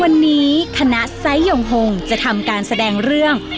วันนี้คณะไซส์ยงหงจะทำการแสดงเรื่อง